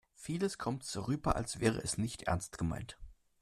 Vieles kommt so rüber, als wäre es nicht ernst gemeint.